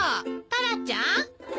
タラちゃん？